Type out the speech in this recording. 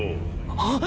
あっ！